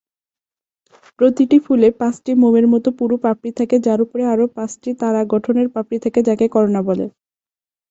প্রতিটি ফুলে পাঁচটি মোমের মত পুরু পাপড়ি থাকে যার উপরে আরও পাঁচটি তারা গঠনের পাপড়ি থাকে যাকে করোনা বলে।